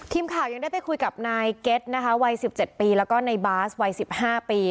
ทีมข่าวยังได้ไปคุยกับนายเก็ตนะคะวัย๑๗ปีแล้วก็ในบาสวัย๑๕ปี